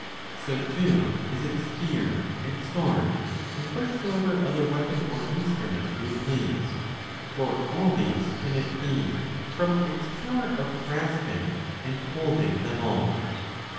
So too is it spear, and sword, and whatsoever other weapon or instrument you please ; for all these can it be from its power of grasping and holding them all.